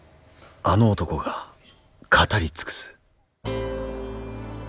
あの男が語り尽くす。